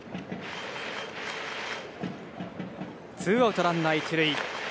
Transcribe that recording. ツーアウトランナー１塁。